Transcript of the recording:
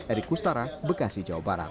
erik kustara bekasi jawa barat